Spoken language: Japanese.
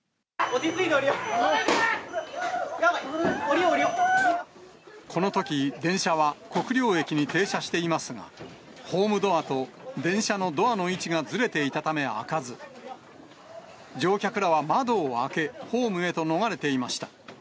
降りよう、やばい、降りよう、このとき、電車は国領駅に停車していますが、ホームドアと電車のドアの位置がずれていたため開かず、乗客らは窓を開け、ホームへと逃れていました。